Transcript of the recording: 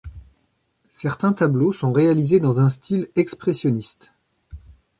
Certains tableaux sont réalisés dans un style expressionniste.